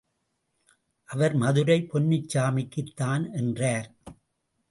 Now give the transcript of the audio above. அவர் மதுரை பொன்னுசாமிக்கு தான் என்றார்.